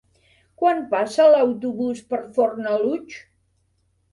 Quan passa l'autobús per Fornalutx?